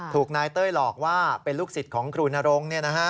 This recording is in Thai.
ถูกนายเต้ยหลอกว่าเป็นลูกศิษย์ของครูนรงค์